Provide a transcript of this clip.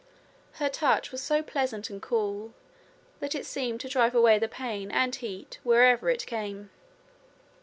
Her touch was so pleasant and cool that it seemed to drive away the pain and heat wherever it came.